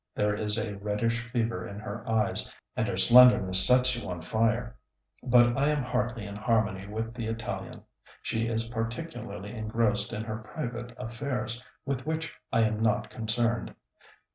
There is a reddish fever in her eyes, and her slenderness sets you on fire. But I am hardly in harmony with the Italian. She is particularly engrossed in her private affairs, with which I am not concerned.